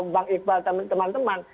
bang iqbal dan teman teman